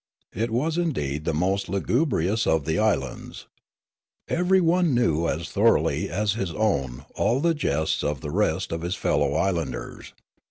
It was indeed the most lugubrious of the islands. Everyone knew as thoroughly as his own all the jests of the rest of his fellow islanders.